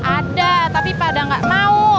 ada tapi pada nggak mau